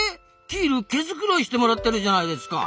キール毛づくろいしてもらってるじゃないですか！